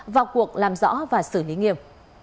vào cuộc làm rõ và xử lý nghiêm